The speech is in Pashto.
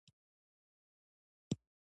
ځنګلونه د افغانستان د زرغونتیا نښه ده.